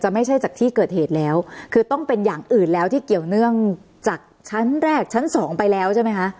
ไม่ใช่จากที่เกิดเหตุแล้วคือต้องเป็นอย่างอื่นแล้วที่เกี่ยวเนื่องจากชั้นแรกชั้นสองไปแล้วใช่ไหมคะ